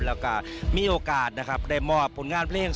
แล้วก็มีโอกาสได้มอบผลงานเพลง